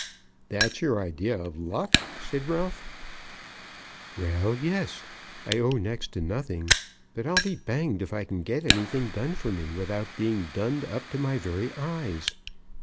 "That's your idea of luck?" said Ralph. "Well; yes. I owe next to nothing, but I'll be hanged if I can get anything done for me without being dunned up to my very eyes.